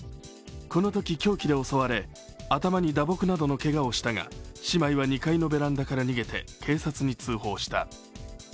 このとき凶器で襲われ頭に打撲などのけがをしたが姉妹は２階のベランダから逃げて警察に通報した。